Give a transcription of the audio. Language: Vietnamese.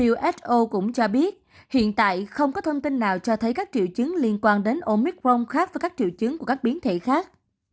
uso cũng cho biết hiện tại không có thông tin nào cho thấy các triệu chứng liên quan đến omicron khác với các triệu chứng của các biến thể khác